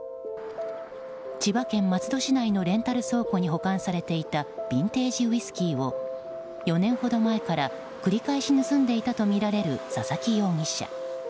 千葉県松戸市内のレンタル倉庫に保管されていたビンテージウイスキーを４年ほど前から繰り返し盗んでいたとみられる佐々木容疑者。